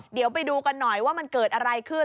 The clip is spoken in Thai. เดี๋ยวไปดูกันหน่อยว่ามันเกิดอะไรขึ้น